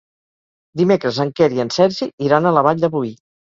Dimecres en Quer i en Sergi iran a la Vall de Boí.